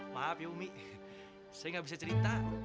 maaf ya umi saya gak bisa cerita